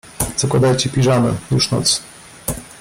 Zakładajcie piżamy, już noc.